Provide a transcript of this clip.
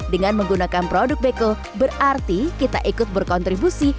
dengan menggunakan produk beko berarti kita ikut berkontribusi